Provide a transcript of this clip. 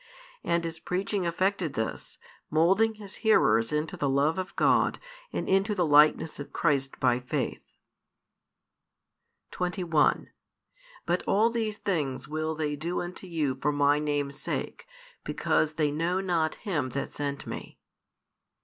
And his preaching effected this, moulding his hearers into the love of God and into the likeness of Christ by faith. 21 But all these things will they do unto you for My Names sake, because they know not Him that sent Me.